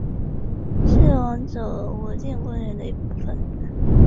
是网走国定公园的一部分。